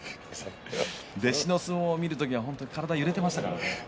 弟子の相撲を見る時は体が揺れていましたからね。